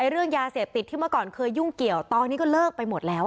เรื่องยาเสพติดที่เมื่อก่อนเคยยุ่งเกี่ยวตอนนี้ก็เลิกไปหมดแล้ว